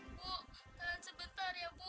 bu tahan sebentar ya bu